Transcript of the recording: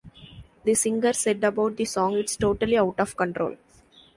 The singer said about the song: It's totally out of control.